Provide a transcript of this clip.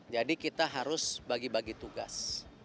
jadi kita harus bagi bagi tugas